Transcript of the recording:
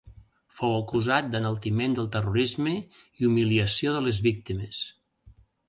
Fou acusat d’enaltiment del terrorisme i humiliació de les víctimes.